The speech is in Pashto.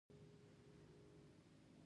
آیا له تیرو تر ننه نه دی؟